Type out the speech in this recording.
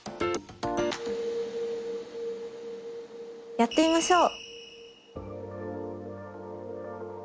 やってみましょう。